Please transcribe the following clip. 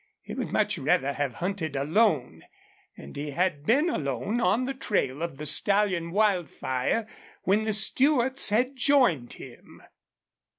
He would much rather have hunted alone, and he had been alone on the trail of the stallion Wildfire when the Stewarts had joined him.